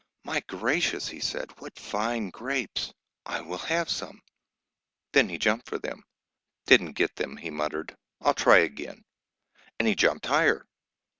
"My gracious," he said, "what fine grapes! I will have some." Then he jumped for them. "Didn't get them," he muttered, "I'll try again," and he jumped higher.